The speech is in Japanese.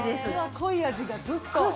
うわっ、濃い味がずっと。